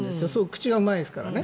口がうまいですからね。